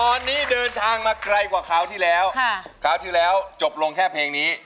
ตอนนี้เดินทางมาไกลกว่าคราวที่แล้วคราวที่แล้วจบลงแค่เพลงนี้